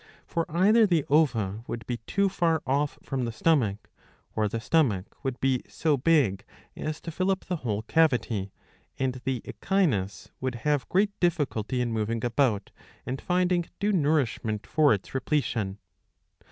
For either the ova would be too far off from the stomach, or the stomach would be so big as to fill up the whole cavity, and the Echinus would have great difficulty in moving about, and finding due nourishment for its repletion.